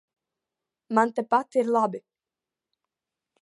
Man tepat ir labi.